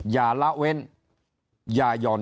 อย่าเลาเอิญ